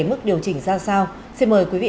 mức điều chỉnh ra sao xin mời quý vị